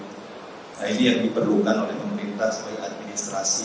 nah ini yang diperlukan oleh pemerintah sebagai administrasi